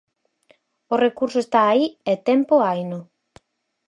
O recurso está aí e tempo haino.